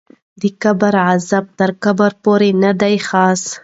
د قبر غذاب تر قبر پورې ندی خاص